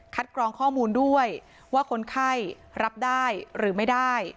กรองข้อมูลด้วยว่าคนไข้รับได้หรือไม่ได้